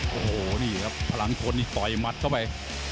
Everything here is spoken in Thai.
โอ้โหนี่ครับพลังชนนี่ต่อยมัดเข้าไป